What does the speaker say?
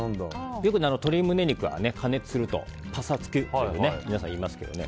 よく鶏胸肉は加熱するとパサつくって皆さん言いますけどね